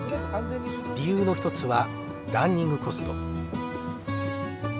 理由の一つはランニングコスト。